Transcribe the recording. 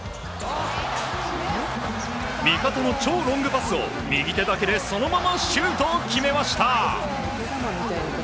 味方の超ロングパスを右手だけでそのままシュートを決めました。